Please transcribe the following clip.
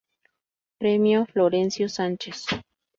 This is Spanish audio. Premio Florencio Sanchez.